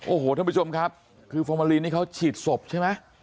โอ้โหท่านผู้ชมครับคือฟอร์มาลีนนี่เขาฉีดศพใช่ไหม